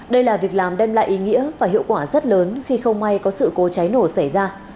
đây là việc làm đem lại ý nghĩa và hiệu quả rất lớn khi không may có sự cố cháy nổ xảy ra